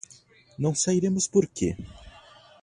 Não sairemos por quê?